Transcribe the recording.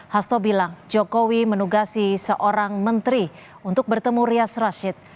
hasto bilang jokowi menugasi seorang menteri untuk bertemu rias rashid